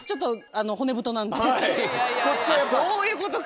あっそういうことか。